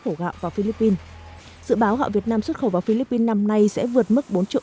khẩu gạo vào philippines dự báo gạo việt nam xuất khẩu vào philippines năm nay sẽ vượt mức bốn triệu